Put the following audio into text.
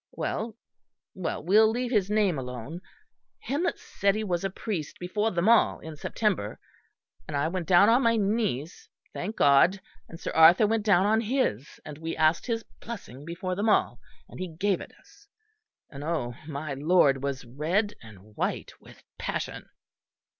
Well, well, we'll leave his name alone him that said he was a priest before them all in September; and I went down on my knees, thank God, and Sir Arthur went down on his, and we asked his blessing before them all, and he gave it us: and oh! my Lord was red and white with passion."